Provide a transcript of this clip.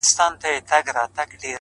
گلابي شونډي يې د بې په نوم رپيږي؛